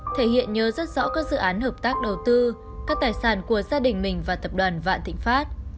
thể hiện nhớ rất rõ các dự án hợp tác đầu tư các tài sản của gia đình mình và tập đoàn vạn thịnh pháp